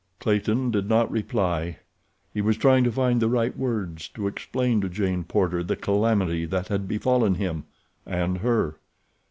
Clayton did not reply. He was trying to find the right words to explain to Jane Porter the calamity that had befallen him—and her.